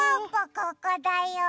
ここだよ。